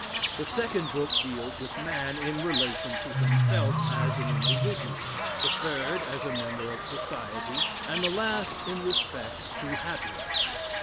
The second book deals with man in relation to himself as an individual; the third as a member of society, and the last in respect to happiness.